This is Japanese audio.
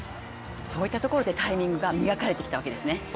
そういったところでタイミングが磨かれてきたわけですね。